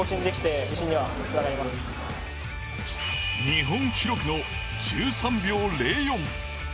日本記録の１３秒０４。